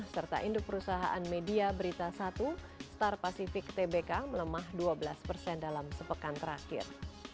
serta induk perusahaan media berita satu star pacific tbk melemah dua belas persen dalam sepekan terakhir